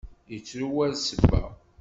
Yettru war ssebba.